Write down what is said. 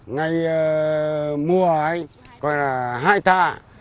ngày mùa ấy gọi là hai thả